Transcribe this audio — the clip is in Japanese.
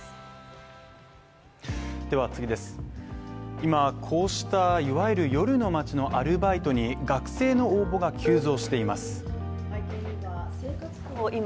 今、こうしたいわゆる夜の街のアルバイトに学生の応募が急増しています